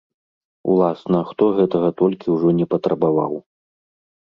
Уласна, хто гэтага толькі ўжо не патрабаваў.